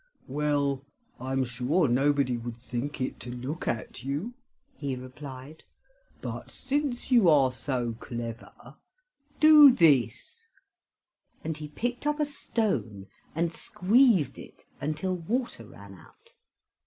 "Well, I'm sure nobody would think it to look at you," he replied; "but since you are so clever, do this," and he picked up a stone and squeezed it until water ran out.